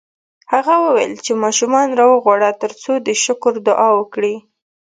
هغه وویل چې ماشومان راوغواړه ترڅو د شکر دعا وکړو